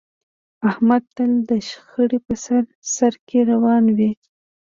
احمد تل د شخړې په سر سرکې روان وي.